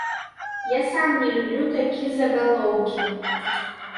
Я сам не люблю такія загалоўкі.